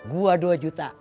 gua dua juta